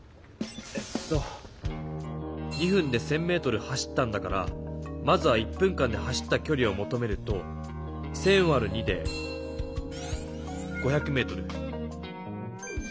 えっと２分で１０００メートル走ったんだからまずは１分間で走ったきょりをもとめると１０００わる２で５００メートル。